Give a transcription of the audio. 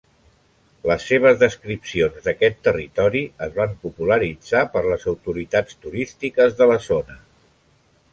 Les seves descripcions d'aquest territori es van popularitzar per les autoritats turístiques de la zona.